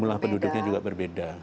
jumlah penduduknya juga berbeda